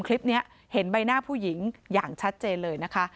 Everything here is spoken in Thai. คลิปนี้เห็นใบหน้าผู้หญิงอย่างชัดเจนเลยนะคะ